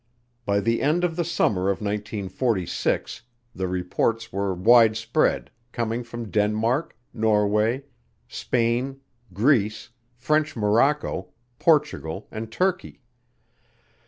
By the end of the summer of 1946 the reports were widespread, coming from Denmark, Norway, Spain, Greece, French Morocco, Portugal, and Turkey.